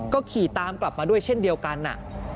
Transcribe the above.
ก็ขี่ตามกลับมาด้วยเช่นเดียวกัน